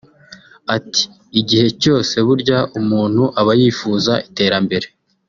Ati “Igihe cyose burya umuntu aba yifuza iterambere